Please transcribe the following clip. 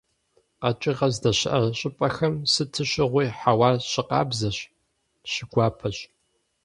КъэкӀыгъэ здэщыӀэ щӀыпӀэхэм сыт щыгъуи хьэуар щыкъабзэщ, щыгуапэщ.